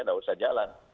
tidak usah jalan